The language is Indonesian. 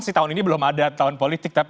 ketinggalan ya chah